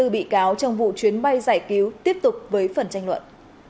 năm mươi bốn bị cáo trong vụ chuyến bay giải cứu tiếp tục với phần tranh luận